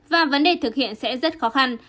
và vấn đề thực hiện sẽ rất khó khăn